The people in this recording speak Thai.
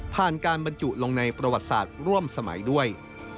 การบรรจุลงในประวัติศาสตร์ร่วมสมัยด้วย